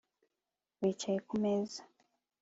Bicaye kumeza